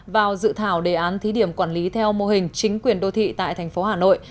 vào dự thảo đề án thí điểm quản lý theo mô hình chính quyền đô thị tại thành phố hà nội